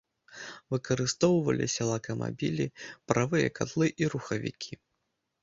Выкарыстоўваліся лакамабілі, паравыя катлы і рухавікі.